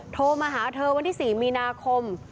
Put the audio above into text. โทรมาหาเธอวันที่๔มีนาคม